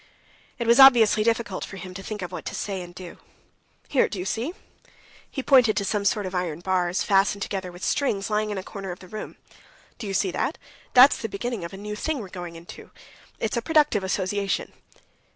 It was obviously difficult for him to think of what to say and do. "Here, do you see?"... He pointed to some sort of iron bars, fastened together with strings, lying in a corner of the room. "Do you see that? That's the beginning of a new thing we're going into. It's a productive association...."